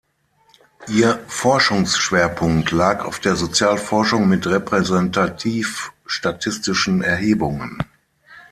Ihr Forschungsschwerpunkt lag auf der Sozialforschung mit repräsentativ-statistischen Erhebungen.